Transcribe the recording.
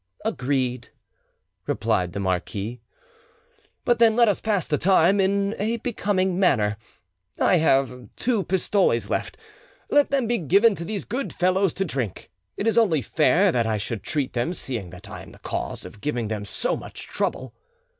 "Agreed," replied the marquis; "but then let us pass the time in a becoming manner. I have two pistoles left, let them be given to these good fellows to drink. It is only fair that I should treat them, seeing that I am the cause of giving them so much trouble."